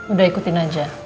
udah ikutin aja